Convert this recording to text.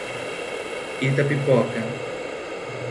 Itapipoca